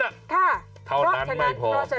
ค่ะเพราะฉะนั้นไม่พอ